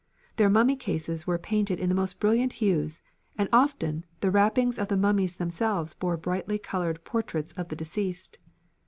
Their mummy cases were painted in the most brilliant hues, and often the wrappings of the mummies themselves bore brightly coloured portraits of the deceased.